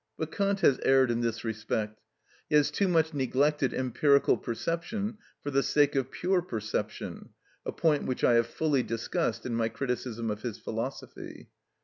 But Kant has erred in this respect. He has too much neglected empirical perception for the sake of pure perception—a point which I have fully discussed in my criticism of his philosophy.